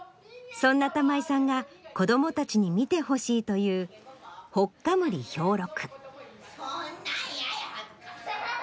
そんな玉井さんが子どもたちに見てほしいという『ほっかむり兵六』。